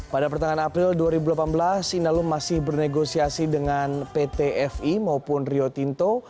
pada pertengahan april dua ribu delapan belas inalum masih bernegosiasi dengan pt fi maupun rio tinto